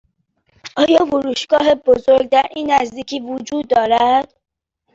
آیا فروشگاه بزرگ در این نزدیکی وجود دارد؟